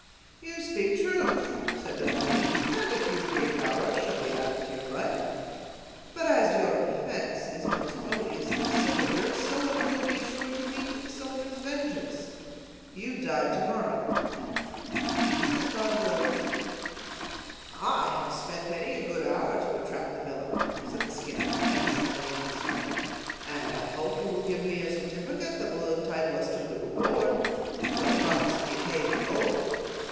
"You speak truth," said Dunwoodie; "and a few brief hours shall be added to your life. But as your offense is most odious to a soldier, so it will be sure to meet with the soldier's vengeance. You die to morrow." "'Tis as God wills." "I have spent many a good hour to entrap the villain," said the Skinner, advancing a little from his corner, "and I hope you will give me a certificate that will entitle us to the reward; 'twas promised to be paid in gold."